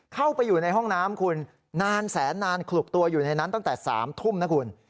เข้าไปอยู่ในห้องน้ำคุณนานแสนนานขลุกตัวอยู่ในนั้นตั้งแต่๓ทุ่มนะคุณ